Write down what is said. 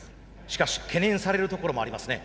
しかし懸念されるところもありますね。